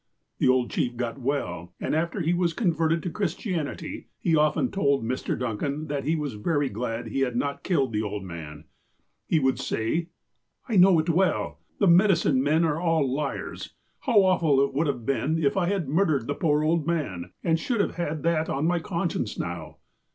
The old chief got well, and, after he was converted to Christianity, he often told Mr. Duncan that he was very glad he had not killed the old man. He would say : "I know it well. The medicine men are all liars. How awful it would have been if I had murdered the poor old man, and should have had that on my conscience now."